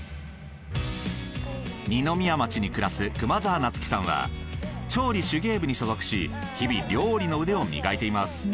二宮町に暮らす熊澤夏希さんは調理・手芸部に所属し日々料理の腕を磨いています。